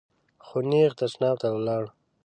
خو نېغ تشناب ته ولاړ .